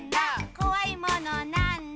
「こわいものなんだ？」